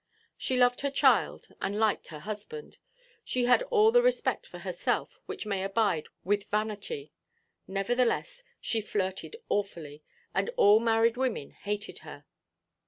She loved her child, and liked her husband, and had all the respect for herself which may abide with vanity. Nevertheless she flirted awfully, and all married women hated her.